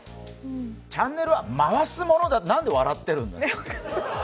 チャンネルは回すものなんで笑ってるんだ。